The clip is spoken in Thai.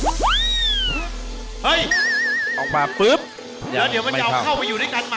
เดี๋ยวมันจะเอาเข้าไปอยู่ด้วยกันใหม่